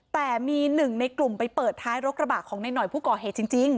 แต่มีหนึ่งในกลุ่มไปเปิดท้ายรถกระบะของในหน่อยผู้ก่อเหตุจริง